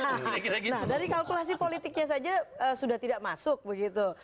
nah dari kalkulasi politiknya saja sudah tidak masuk begitu